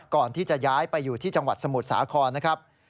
ก่อนที่จะย้ายไปอยู่ที่จังหวัดสมุทรสาครนะครับ